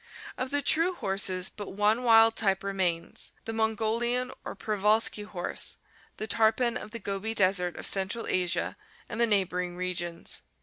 Of the true horses but one wild type remains, the Mongolian or Prejvalski horse, the tarpan of the Gobi Desert of central Asia and the neighboring regions.